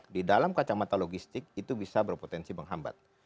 di dalam kacamata logistik itu bisa berpotensi menghambat